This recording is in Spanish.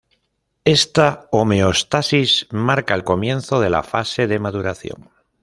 Esta homeostasis marca el comienzo de la fase de maduración.